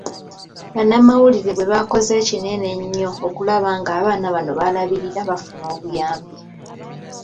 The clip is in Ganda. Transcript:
Bamawulire bwe bakoze ekinene ennyo okulaba ng'abaana bano b'alabirira bafuna obuyambi.